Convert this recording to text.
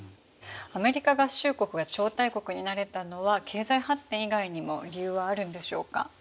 アメリカ合衆国が超大国になれたのは経済発展以外にも理由はあるんでしょうか？